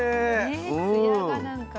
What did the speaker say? ねつやがなんか。